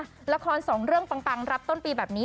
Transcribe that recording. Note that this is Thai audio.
ละครสองเรื่องปังรับต้นปีแบบนี้